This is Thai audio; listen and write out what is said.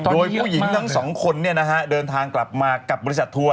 โดยผู้หญิงทั้งสองคนเดินทางกลับมากับบริษัททัวร์